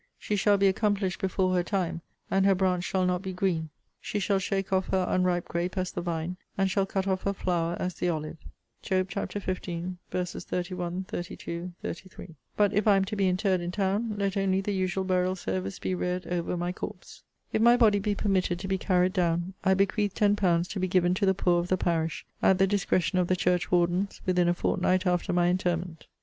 She shall be accomplished before her time; and her branch shall not be green. She shall shake off her unripe grape as the vine, and shall cut off her flower as the olive.'* * Job xv. 31, 32, 33. But if I am to be interred in town, let only the usual burial service be read over my corpse. If my body be permitted to be carried down, I bequeath ten pounds to be given to the poor of the parish, at the discretion of the church wardens, within a fortnight after my interment.